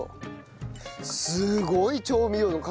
すごい調味料の数。